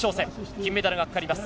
金メダルがかかります。